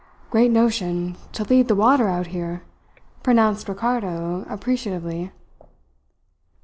"Great notion, to lead the water out here," pronounced Ricardo appreciatively.